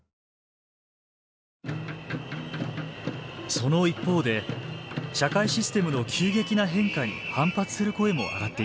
その一方で社会システムの急激な変化に反発する声も上がっています。